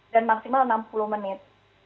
dan maksimal enam puluh menit